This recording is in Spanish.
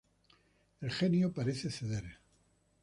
El Genio parece ceder.